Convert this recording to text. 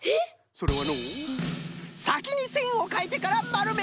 それはのうさきにせんをかいてからまるめる！